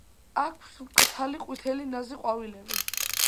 აქვს მკრთალი ყვითელი ნაზი ყვავილები.